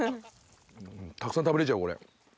たくさん食べれちゃうこれ。